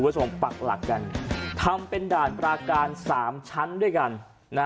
ปักหลักกันทำเป็นด่านปราการสามชั้นด้วยกันนะ